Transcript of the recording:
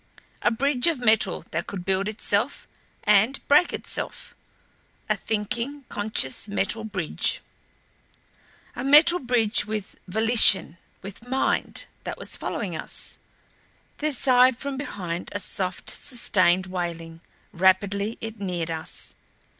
A bridge of metal that could build itself and break itself. A thinking, conscious metal bridge! A metal bridge with volition with mind that was following us. There sighed from behind a soft, sustained wailing; rapidly it neared us.